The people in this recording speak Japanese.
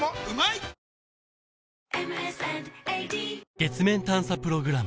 月面探査プログラム